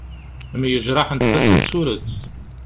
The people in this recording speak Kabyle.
Myejraḥent tasa d turet.